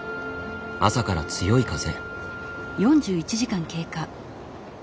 朝から強い風。